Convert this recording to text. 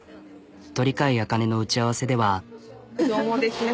鳥飼茜の打ち合わせでは。